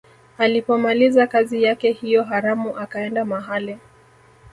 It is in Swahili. Alipomaliza kazi yake hiyo haramu akaenda mahali